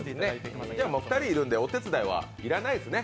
２人いるんでお手伝いはもう要らないですね。